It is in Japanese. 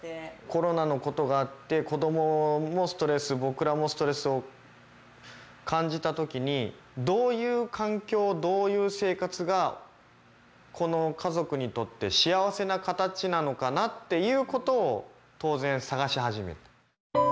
コロナのことがあって子どももストレス僕らもストレスを感じたときにどういう環境どういう生活がこの家族にとって幸せな形なのかなっていうことを当然探し始めた。